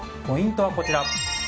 ポイントはこちら。